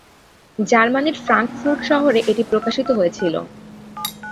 জার্মানির ফ্রাঙ্কফুর্ট শহরে এটি প্রকাশিত হয়েছিল।